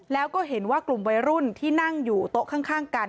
แล้วก็เห็นว่ากลุ่มวัยรุ่นที่นั่งอยู่โต๊ะข้างกัน